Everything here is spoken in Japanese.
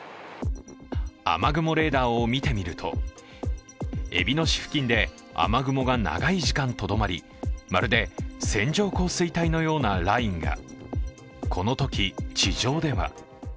雨雲レーダーを見てみると、えびの市付近で雨雲が長い時間、とどまりまるで線状降水帯のようなラインが。